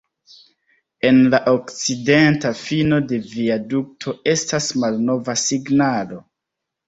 En la okcidenta fino de viadukto estas malnova signalo.